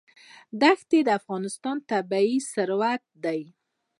دښتې د افغانستان طبعي ثروت دی.